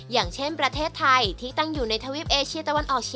ซึ่งมีพื้นที่ตั้งอยู่ในเขตร้อนและอบอุ่นเป็นส่วนใหญ่